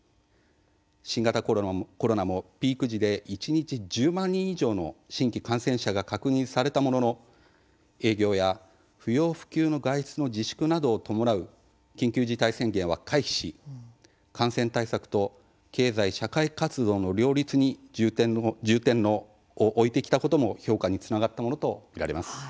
新型コロナも、ピーク時で一日１０万人以上の新規感染者が確認されたものの営業や、不要不急の外出の自粛などを伴う緊急事態宣言は回避し感染対策と経済社会活動の両立に重点を置いてきたことも評価につながったものと見られます。